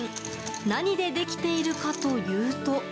何で出来ているかというと。